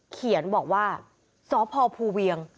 เขียนบอกว่าสพภูเวียง